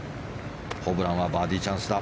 ホブランはバーディーチャンスだ。